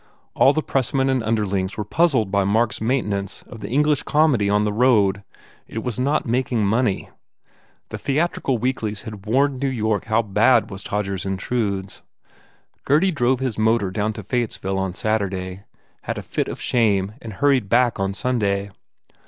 All the press men and underlings were puzzled by Mark s main tenance of the English comedy on the road. It was not making money. The theatrical weeklies had warned New York how bad was "Todgers Intrudes." Gurdy drove his motor down to Fayettesville on Saturday, had a fit of shame and hurried back on Sunday.